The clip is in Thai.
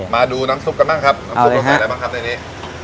มาดูน้ำซุปกันบ้างครับน้ำซุปเราใส่อะไรบ้างครับในนี้